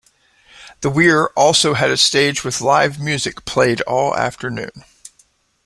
The Weir also had a stage with live music played all afternoon.